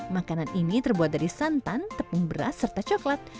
makanan ini terbuat dari santan tepung beras serta coklat